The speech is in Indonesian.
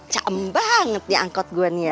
caem banget nih angkot gue nih ya